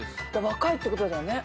若いってことだね。